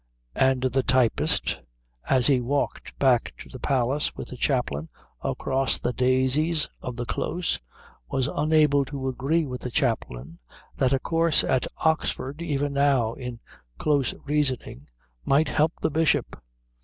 And the typist, as he walked back to the Palace with the chaplain across the daisies of the Close, was unable to agree with the chaplain that a course at Oxford even now in close reasoning might help the Bishop.